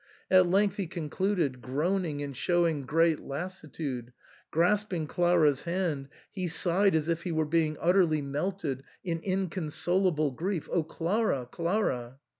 At length he concluded, groan ing and showing great lassitude ; grasping Clara's hand, he sighed as if he were being utterly melted in inconsolable grief, " Oh ! Clara ! Clara